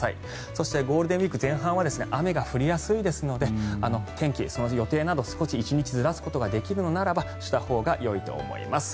そしてゴールデンウィーク前半は雨が降りやすいですので天気、その日予定など少し１日ずらすことができるのであればしたほうがよいと思います。